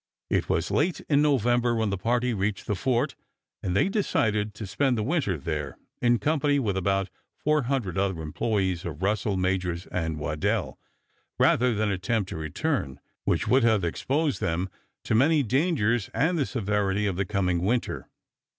It was late in November when the party reached the fort, and they decided to spend the winter there, in company with about four hundred other employes of Russell, Majors & Waddell, rather than attempt to return, which would have exposed them to many dangers and the severity of the coming winter.